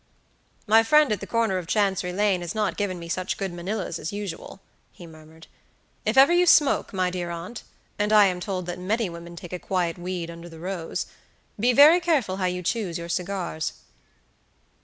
"My friend at the corner of Chancery Lane has not given me such good Manillas as usual," he murmured. "If ever you smoke, my dear aunt (and I am told that many women take a quiet weed under the rose), be very careful how you choose your cigars."